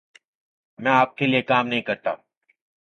میں آپ کے لئے کام نہیں کرتا۔